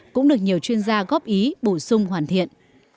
cũng được nhiều chuyên gia góp ý bổ sung hoàn thiện